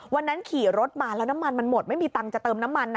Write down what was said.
วันนั้นขี่รถมาแล้วน้ำมันมันหมดไม่มีตังค์จะเติมน้ำมัน